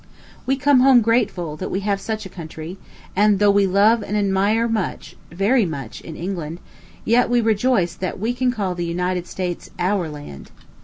We come home grateful that we have such a country; and though we love and admire much, very much, in England, yet we rejoice that we can call the United States our land.